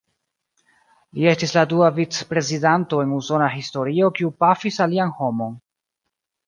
Li estis la dua vicprezidanto en Usona historio kiu pafis alian homon.